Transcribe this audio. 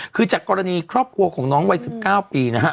คือจากกรณีครอบครัวของน้องวัย๑๙ปีนะฮะ